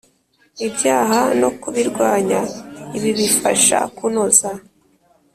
Ibyaha no kubirwanya ibi bifasha kunoza